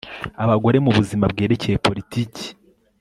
abagore mu buzima bwerekeye politiki